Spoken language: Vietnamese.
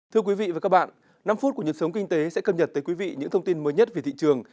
thưa quý vị và các bạn năm phút của nhật sống kinh tế sẽ cập nhật tới quý vị những thông tin mới nhất về thị trường